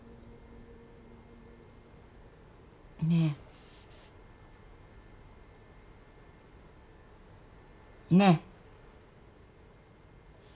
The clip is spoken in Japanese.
ねえ。ねえ。